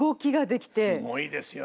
すごいですよね。